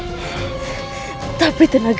kita harus habisi dia sekarang